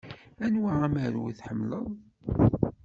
Anwa amaru i tḥemmleḍ?